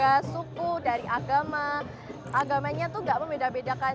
dari buku dari agama agamanya tuh gak membeda bedakan